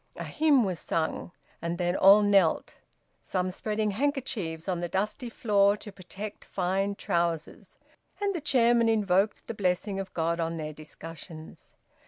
A hymn was sung, and then all knelt, some spreading handkerchiefs on the dusty floor to protect fine trousers, and the chairman invoked the blessing of God on their discussions.